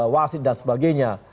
wasit dan sebagainya